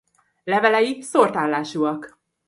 Levelei szórt állásúak.